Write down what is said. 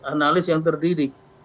analis yang terdidik